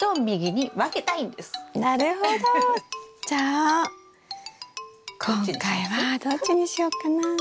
じゃあ今回はどっちにしようかな。